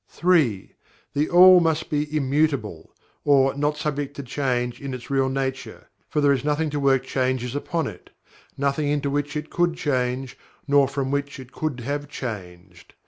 (3) THE ALL must be IMMUTABLE, or not subject to change in its real nature, for there is nothing to work changes upon it nothing into which it could change, nor from which it could have changed.